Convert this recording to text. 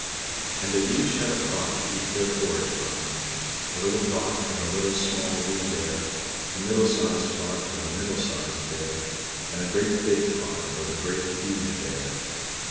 And they each had a pot to eat their porridge from: a little pot for the Little, Small, Wee Bear; a middle sized pot for the Middle Sized Bear; and a great big pot for the Great, Huge Bear.